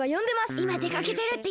いまでかけてるっていって！